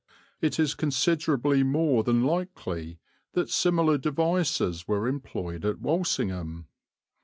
It is considerably more than likely that similar devices were employed at Walsingham.